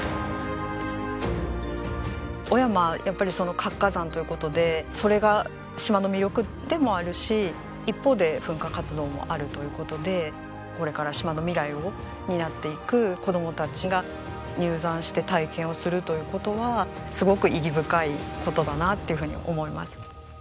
雄山はやっぱり活火山という事でそれが島の魅力でもあるし一方で噴火活動もあるという事でこれから島の未来を担っていく子供たちが入山して体験をするという事はすごく意義深い事だなというふうに思います。